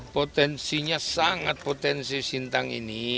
potensinya sangat potensi sintang ini